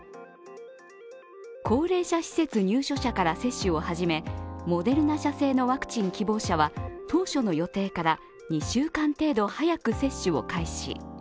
高齢者施設入所者から接種を始め、モデルナ社製のワクチン希望者は当初の予定から２週間程度早く接種を開始。